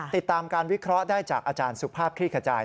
ติดตามการวิเคราะห์ได้จากอาจารย์สุภาพคลี่ขจาย